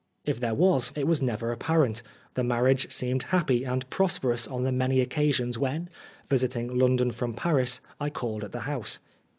If there was, it was never apparent ; the marriage seemed happy and prosperous on the many occasions when, visiting London from Paris, I called at the house.